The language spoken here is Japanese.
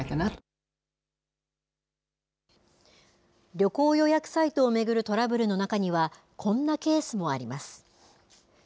旅行予約サイトを巡るトラブルの中には、こんなケースもあります。